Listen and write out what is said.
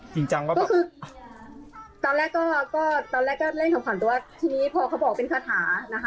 จริงจังก็คือตอนแรกก็ตอนแรกก็เล่นขำด้วยทีนี้พอเขาบอกเป็นคาถานะฮะ